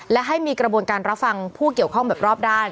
และให้มีกระบวนการรับฟังผู้เกี่ยวข้องแบบรอบด้าน